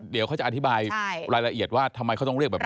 เดี๋ยวเขาจะอธิบายรายละเอียดว่าทำไมเขาต้องเรียกแบบนี้